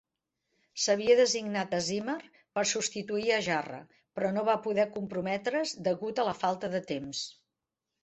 S"havia designat a Zimmer per substituir a Jarre, però no va poder comprometre"s degut a la falta de temps.